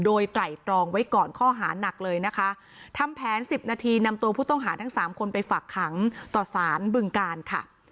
โดยไตรตรองไว้ก่อนข้อหานักเลยนะคะทำแผนสิบนาทีนำตัวผู้ต้องหาทั้งสามคนไปฝากขังต่อสารบึงการค่ะ